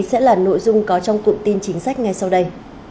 sẽ là nội dung có trong cụm tin chính sách ngay sau đây